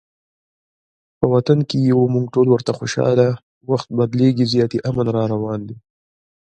په وطن کې یو مونږ ټول ورته خوشحاله، وخت بدلیږي زیاتي امن راروان دی